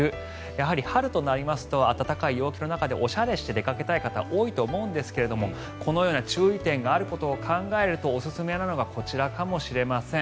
やはり春となりますと暖かい陽気の中でおしゃれして出かけたい方多いと思うんですがこのような注意点があることを考えるとおすすめなのがこちらかもしれません。